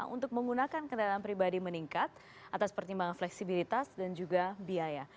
untuk menggunakan kendaraan pribadi meningkat atas pertimbangan fleksibilitas dan juga biaya